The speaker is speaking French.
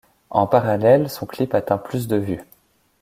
En parallèle, son clip atteint plus de vues.